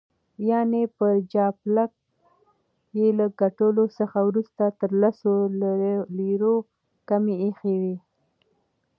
یعني پر جاپلاک یې له ګټلو څخه وروسته تر لسو لیرو کمې ایښي وې.